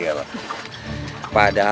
kalau tidak tidak akan berhasil